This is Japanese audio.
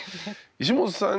石本さん